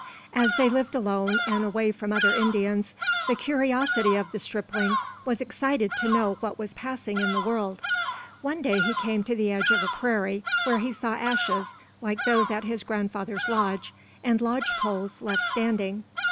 As they lived alone, and away from other Indians, the curiosity of the stripling was excited to know what was passing in the world. One day he came to the edge of a prairie, where he saw ashes like those at his grandfather's lodge, and lodge poles left standing.